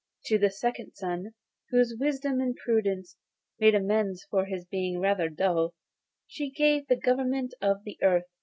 To the second son, whose wisdom and prudence made amends for his being rather dull, she gave the government of the earth.